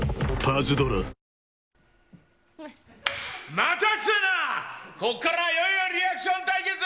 待たせたな、ここからはいよいよ、リアクション対決。